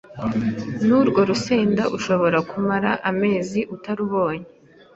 n’urwo rusenda ushobora kumara amezi utarubonye